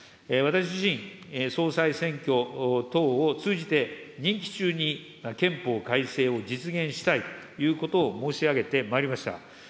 私自身、総裁選挙等を通じて、任期中に憲法改正を実現したいということを申し上げてまいりました。